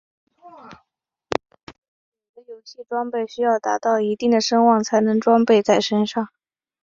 有的游戏装备需要达到一定的声望才能装备在身上。